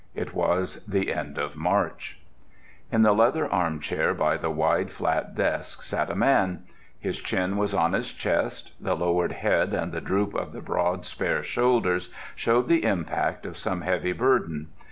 It was the end of March. In the leather armchair by the wide, flat desk sat a man. His chin was on his chest; the lowered head and the droop of the broad, spare shoulders showed the impact of some heavy burden.